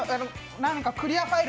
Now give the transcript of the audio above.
何かクリアファイル。